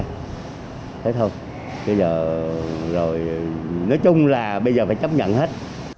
thế thôi rồi nói chung là bây giờ phải chấp nhận hết